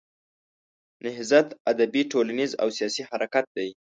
نهضت ادبي، ټولنیز او سیاسي حرکت دی.